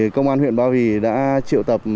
công an huyện ba vì đã triệu tập